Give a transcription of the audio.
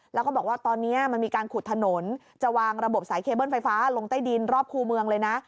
แล้วก็บอกว่าตอนนี้มันมีการขุดถนนจะวางระบบสายเคเบิ้ลไฟฟ้าลงใต้ดินรอบคู่เมืองเลยนะ